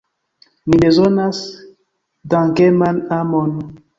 Ni bezonas dankeman amon!